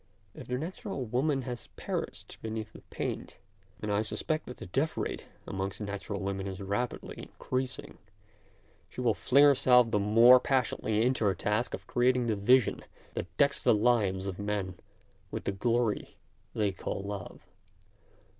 If the natural woman has perished beneath the paint, and I suspect that the death rate amongst natural women is rapidly increas ing, she will fling herself the more passion ately into her task of creating the vision that decks the lives of men with the glory they call love.